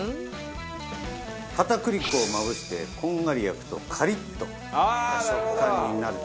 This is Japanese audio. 片栗粉をまぶしてこんがり焼くとカリッとした食感になると。